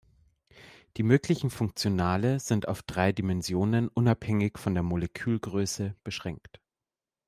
Die möglichen Funktionale sind auf drei Dimensionen, unabhängig von der Molekülgröße, beschränkt.